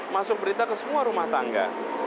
masuk berita ke semua rumah tangga